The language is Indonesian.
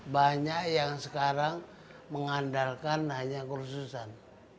banyak yang sekarang mengandalkan hanya kursusan